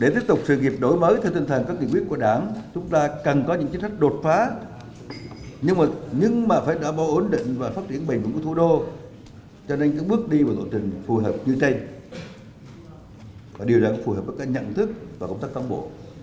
để tiếp tục sự nghiệp đổi mới theo tinh thần các kỷ quyết của đảng chúng ta cần có những chính sách đột phá nhưng mà phải đảm bảo ổn định và phát triển bền vững của thủ đô cho nên các bước đi và tổ chức phù hợp như đây và điều đoạn phù hợp với các nhận thức và công tác phong bộ